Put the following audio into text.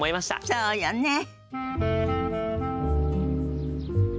そうだねえ